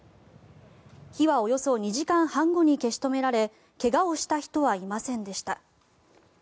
火はおよそ２時間半後に消し止められ怪我をした人はいませんでした。